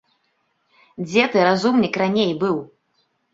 Дзе ты, разумнік, раней быў?